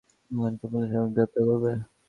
এখন কি পুলিশ আমাকে গ্রেফতার করবে?